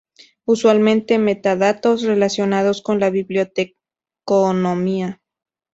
Usualmente, metadatos relacionados con la biblioteconomía.